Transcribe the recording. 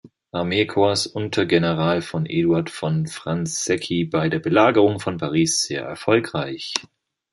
Armee-Korps unter General von Eduard von Fransecky bei der Belagerung von Paris sehr erfolgreich.